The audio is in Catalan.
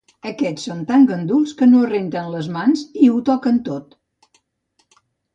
Aquests són tan ganduls que no es renten les mans i ho toquen tot